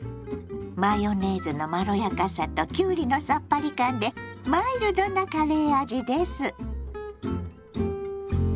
⁉マヨネーズのまろやかさときゅうりのさっぱり感でマイルドなカレー味です。